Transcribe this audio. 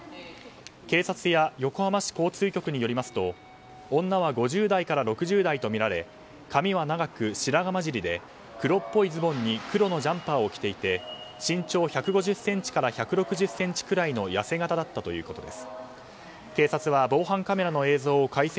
警察や横浜市交通局によりますと女は５０代から６０代とみられ髪は長く白髪交じりで黒っぽいズボンに黒のジャンパーを着ていて身長１５０ｃｍから１６０ｃｍくらいの痩せ形だったということです。